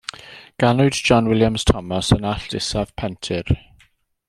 Ganwyd John William Thomas yn Allt Isaf, Pentir.